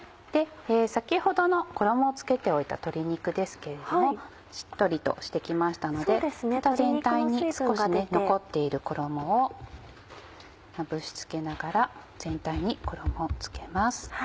先ほどの衣を付けておいた鶏肉ですけれどもしっとりとして来ましたので全体に少し残っている衣をまぶし付けながら全体に衣を付けます。